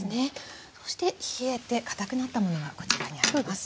そして冷えてかたくなったものがこちらにありますね。